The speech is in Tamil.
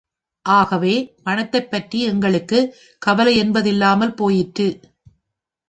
ஆகவே, பணத்தைப்பற்றி எங்களுக்குக் கவலையென்பதில்லாமற் போயிற்று.